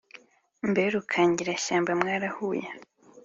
mbe rukangirashyamba mwarahuye